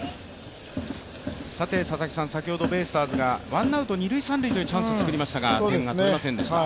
先ほどベイスターズがワンアウト、二塁・三塁というチャンスを作りましたが点は取れませんでした。